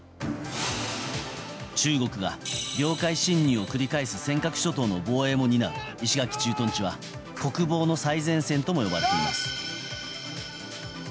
中国が領海侵入を繰り返す尖閣諸島の防衛も担う石垣駐屯地は国防の最前線とも呼ばれています。